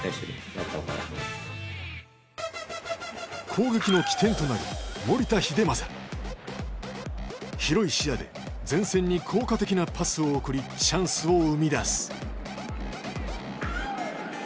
攻撃の起点となる広い視野で前線に効果的なパスを送りチャンスを生み出す。